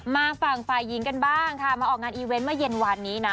มาฝั่งฝ่ายหญิงกันบ้างค่ะมาออกงานอีเวนต์เมื่อเย็นวานนี้นะ